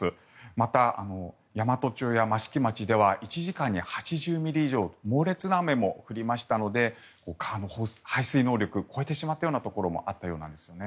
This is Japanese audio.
また、山都町や益城町では１時間に８０ミリ以上の猛烈な雨も降りましたので川の排水能力を超えてしまったようなところもあったようなんですね。